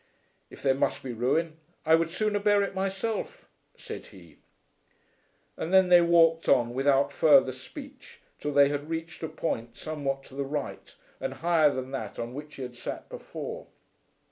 "If there must be ruin I would sooner bear it myself," said he. And then they walked on without further speech till they had reached a point somewhat to the right, and higher than that on which he had sat before.